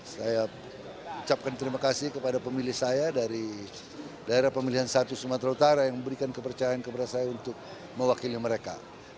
saya ucapkan terima kasih kepada pemilih saya dari daerah pemilihan satu sumatera utara yang memberikan kepercayaan kepada saya untuk mewakili mereka